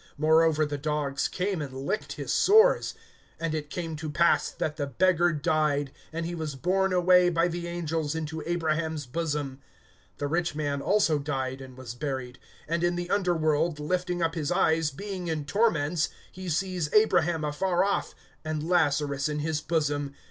Moreover the dogs came and licked his sores. (22)And it came to pass, that the beggar died; and he was borne away by the angels into Abraham's bosom. The rich man also died, and was buried; (23)and in the underworld, lifting up his eyes, being in torments, he sees Abraham afar off, and Lazarus in his bosom.